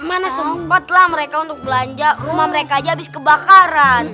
mana sempatlah mereka untuk belanja rumah mereka aja habis kebakaran